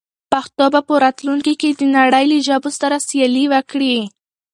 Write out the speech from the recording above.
پښتو به په راتلونکي کې د نړۍ له ژبو سره سیالي وکړي.